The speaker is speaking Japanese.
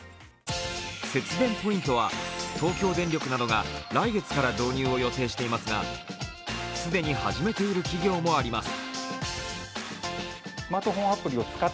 節電ポイントは東京電力などが来月から導入を予定していますが既に始めている企業もあります。